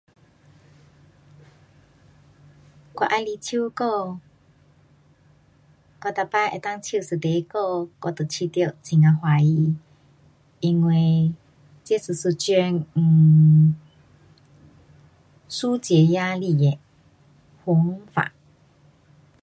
我喜欢唱歌，我每次能够唱一首歌我就觉得很呀欢喜，因为这是一种 um 舒解压力的方法。